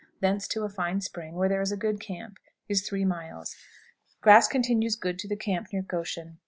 Thence to a fine spring, where there is a good camp, is 3 miles. Grass continues good to the camp near Goshen.